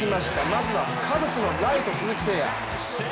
まずはカブスのライト、鈴木誠也。